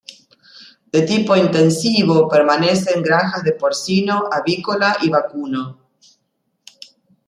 De tipo intensivo permanecen granjas de porcino, avícola y vacuno.